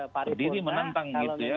berdiri menantang gitu ya